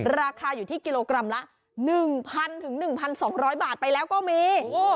ราคาอยู่ที่กิโลกรัมละ๑๐๐๑๒๐๐บาทไปแล้วก็มี